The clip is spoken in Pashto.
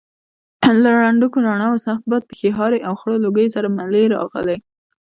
له ړندونکو رڼاوو، سخت باد، پښې هارې او خړو لوګیو سره ملې راغلې.